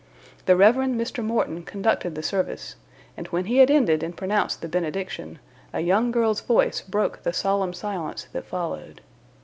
The Rev. Mr. Morton conducted the service, and when he had ended and pronounced the benediction, a young girl's voice broke the solemn silence that followed.